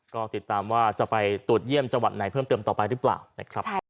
ก็ติดตามว่าจะไปตรวจเยี่ยมจังหวัดไหนเพิ่มเติมต่อไปหรือเปล่านะครับ